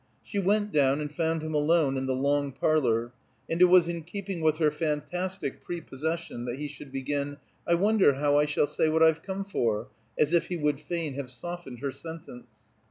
She went down, and found him alone in the long parlor, and it was in keeping with her fantastic prepossession that he should begin, "I wonder how I shall say what I've come for?" as if he would fain have softened her sentence.